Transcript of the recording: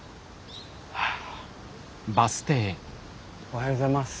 おはようございます。